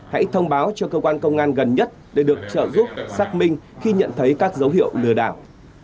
hãy thông báo cho cơ quan công an gần nhất để được trợ giúp xác minh khi nhận thấy các dấu hiệu lừa đảo